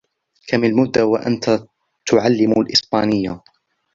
كم المدة وأنتَ تُعلم الإسبانية ؟